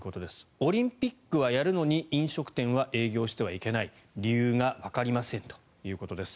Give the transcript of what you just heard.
オリンピックはやるのに飲食店は営業してはいけない理由がわかりませんということです。